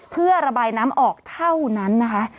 เพื่อระบายน้ำออกเท่านั้นนะคะ